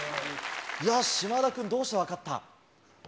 嶋田君どうして分かった？